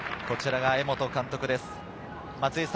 こちらが江本監督です。